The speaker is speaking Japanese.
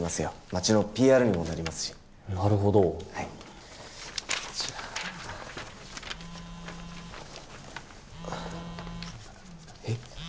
街のＰＲにもなりますしなるほどはいじゃあえっ？